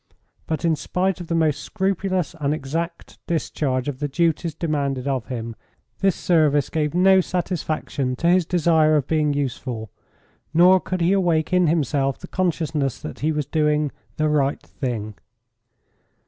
But, in spite of the most scrupulous and exact discharge of the duties demanded of him, this service gave no satisfaction to his desire of being useful, nor could he awake in himself the consciousness that he was doing "the right thing."